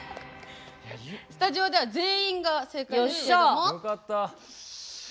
スタジオでは全員が正解。